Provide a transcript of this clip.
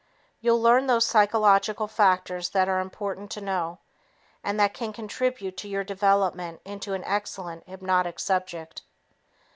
You'll learn those psychological factors that are important to know and that can contribute to your development into an excellent hypnotic subject.